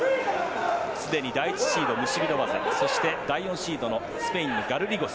すでに第１シードムシビドバゼそして、第４シードのスペインのガルリゴス